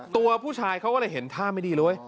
ตัวผู้ชายเขาก็เลยเห็นท่าไม่ดีเลยเว้ย